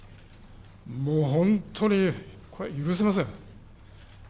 もう本当に、これは許せません。